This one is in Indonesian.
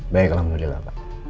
baiklah alhamdulillah pak